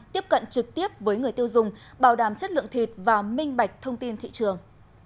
tiếp cận trực tiếp với người tiêu dùng bảo đảm chất lượng thịt và minh bạch thông tin thị trường